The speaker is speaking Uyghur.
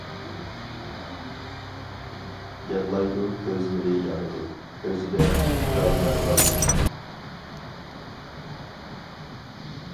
يىغلايدۇ كۆزلىرى يانىدۇ، كۆزىدە ئىككى تال مەرۋايىت.